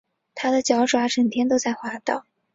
它的脚爪整天都在滑倒